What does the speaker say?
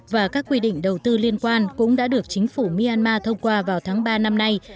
và các quy định đầu tư liên quan cũng đã được chính phủ myanmar thông qua vào tháng ba năm nay